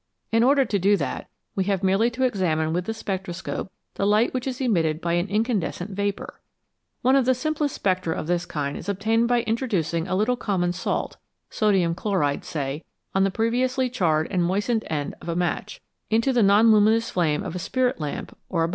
In order to do that we have merely to examine with the spectroscope the light which is emitted by an incandescent vapour. One of the simplest spectra 206 CHEMISTRY OF THE STARS of this kind is obtained by introducing a little common salt (sodium chloride), say on the previously charred and moistened end of a match, into the non luminous flame of a spirit lamp or a Bunsen burner.